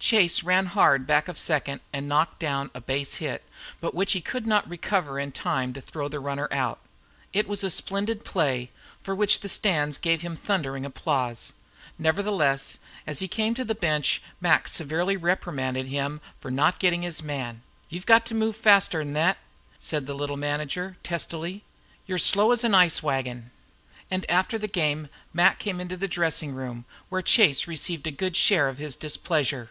Chase ran hard back of second and knocked down a base hit, but which he could not recover in time to throw the runner out. It was a splendid play, for which the stands gave him thundering applause. Nevertheless, as he came in to the bench Mac severely reprimanded him for not getting his man. "You've got to move faster 'n thet," said the little manager, testily. "You're slow as an ice wagon." And after the game Mac came into the dressing room, where Chase received a good share of his displeasure.